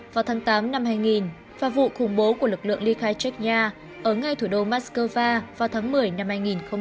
hai nghìn tám hai nghìn và vụ khủng bố của lực lượng ly khai chechnya ở ngay thủ đô moskva vào tháng một mươi năm